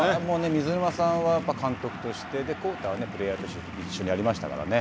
水沼さんは監督として、宏太はプレーヤーとして一緒にやりましたからね。